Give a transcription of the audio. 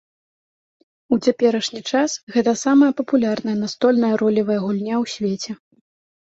У цяперашні час гэта самая папулярная настольная ролевая гульня ў свеце.